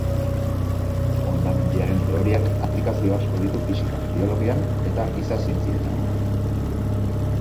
Hondamendiaren teoriak aplikazio asko ditu fisikan, biologian eta giza zientzietan.